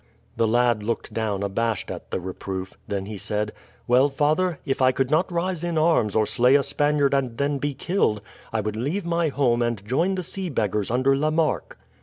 The lad looked down abashed at the reproof, then he said: "Well, father, if I could not rise in arms or slay a Spaniard and then be killed, I would leave my home and join the sea beggars under La Marck."